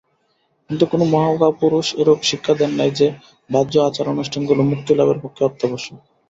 কিন্তু কোন মহাপুরুষ এরূপ শিক্ষা দেন নাই যে, বাহ্য আচার-অনুষ্ঠানগুলি মুক্তিলাভের পক্ষে অত্যাবশ্যক।